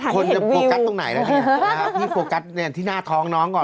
คุณจะโฟกัสตรงไหนล่ะเนี๊ยะนี่จะโฟกัสที่หน้าท้องน้องก่อน